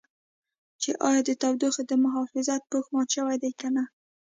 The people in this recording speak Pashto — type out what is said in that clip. چې ایا د تودوخې د محافظت پوښ مات شوی دی که نه.